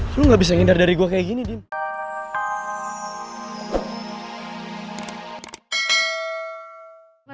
lu gak bisa ngindar dari gue kayak gini dim